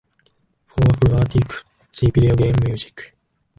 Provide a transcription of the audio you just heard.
For a full article, see video game music.